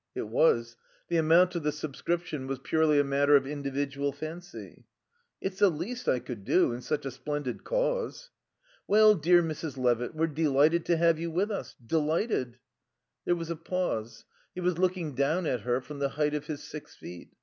It was. The amount of the subscription was purely a matter of individual fancy. "It's the least I could do in such a splendid cause." "Well, dear Mrs. Levitt, we're delighted to have you with us. Delighted." There was a pause. He was looking down at her from the height of his six feet.